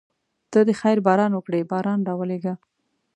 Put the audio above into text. ته د خیر باران وکړې باران راولېږه.